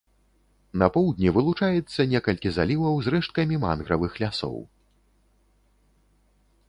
На поўдні вылучаецца некалькі заліваў з рэшткамі мангравых лясоў.